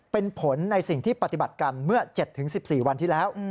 เป็นผลในสิ่งที่ปฏิบัติกันเมื่อ๗๑๔วันที่แล้ว